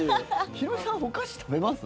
ヒロミさんお菓子食べます？